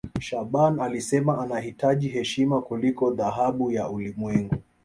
shaaban alisema anahitaji heshima kuliko dhahabu ya ulimwengu